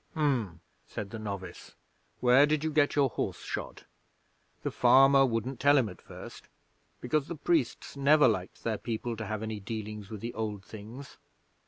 '"H'm!" said the novice. "Where did you get your horse shod?" 'The farmer wouldn't tell him at first, because the priests never liked their people to have any dealings with the Old Things.